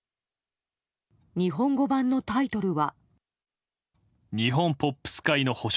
日本語版のタイトルは。